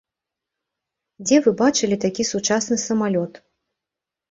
Дзе вы бачылі такі сучасны самалёт?